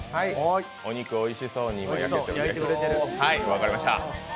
お肉、おいしそうに焼けていますね。